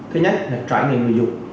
thứ nhất là trải nghiệm người dùng